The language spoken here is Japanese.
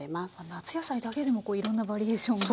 夏野菜だけでもいろんなバリエーションが。